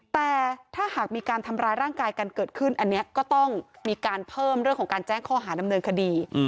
แต่ถ้าหากมีการทำร้ายร่างกายกันเกิดขึ้นอันนี้ก็ต้องมีการเพิ่มเรื่องของการแจ้งข้อหาดำเนินคดี